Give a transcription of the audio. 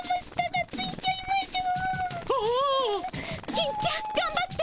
金ちゃんがんばって！